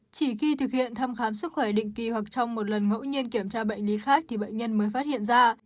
chỉ khi thực hiện thăm khám sức khỏe định kỳ hoặc trong một lần ngẫu nhiên kiểm tra bệnh lý khác thì bệnh nhân mới phát hiện ra